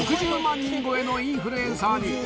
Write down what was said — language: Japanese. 人超えのインフルエンサーに。